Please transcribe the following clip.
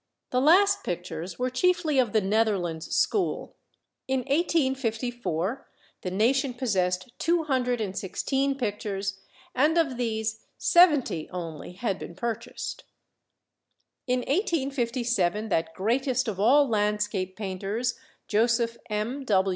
The last pictures were chiefly of the Netherlands school. In 1854 the nation possessed two hundred and sixteen pictures, and of these seventy only had been purchased. In 1857 that greatest of all landscape painters, Joseph M.